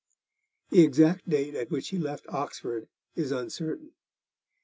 The exact date at which he left Oxford is uncertain.